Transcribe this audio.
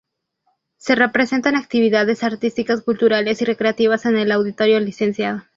Se presentan actividades artísticas culturales y recreativas en el auditorio Lic.